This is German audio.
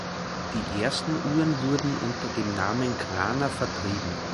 Die ersten Uhren wurden unter dem Namen „Grana“ vertrieben.